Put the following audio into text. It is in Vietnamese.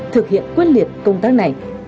thực hiện quyết liệt công tác này